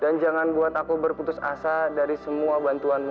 dan jangan buat aku berputus asa dari semua bantuanmu